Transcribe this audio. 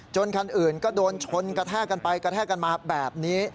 คันอื่นก็โดนชนกระแทกกันไปกระแทกกันมาแบบนี้